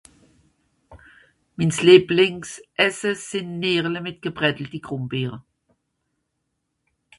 Min lìebling's Esse sìnn Nìerle mìt gebrättelti Grùmbeere.